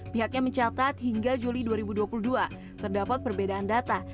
pihaknya mencatat hingga juli dua ribu dua puluh dua terdapat perbedaan data